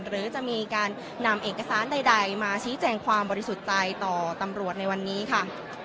หรือจะมีการนำเอกสารใดมาชี้แจงความบริสุทธิ์ใจต่อตำรวจในวันนี้ค่ะ